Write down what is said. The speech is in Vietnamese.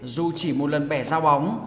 dù chỉ một lần bẻ ra bóng